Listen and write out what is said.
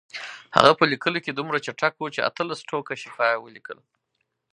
هغه په لیکلو کې دومره چټک و چې اتلس ټوکه شفا یې ولیکل.